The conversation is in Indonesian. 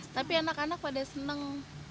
tapi anak anak pada seneng